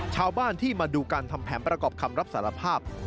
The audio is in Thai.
ชาวบ้านที่มาดูการทำแผนประกอบคำรับสารภาพ